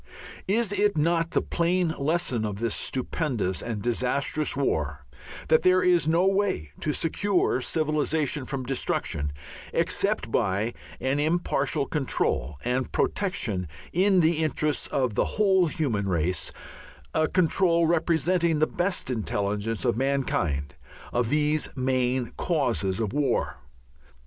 Is it not the plain lesson of this stupendous and disastrous war that there is no way to secure civilization from destruction except by an impartial control and protection in the interests of the whole human race, a control representing the best intelligence of mankind, of these main causes of war.